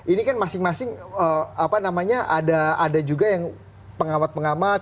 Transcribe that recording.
ini kan masing masing ada juga yang pengamat pengamat